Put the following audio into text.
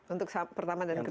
untuk pertama dan kedua